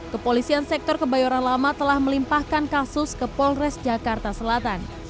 kepolisian sektor kebayoran lama telah melimpahkan kasus ke polres jakarta selatan